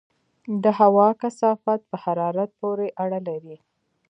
د هوا کثافت په حرارت پورې اړه لري.